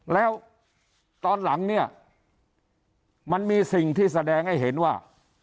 แล้วตอนหลังเนี่ยมันมีสิ่งที่แสดงให้เห็นว่า